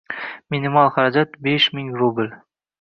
Minimal xarajat - besh ming rubl.